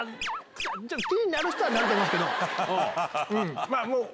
気になる人はなると思いますけど。